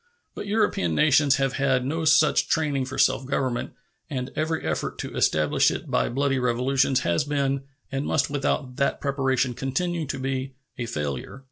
But European nations have had no such training for self government, and every effort to establish it by bloody revolutions has been, and must without that preparation continue to be, a failure.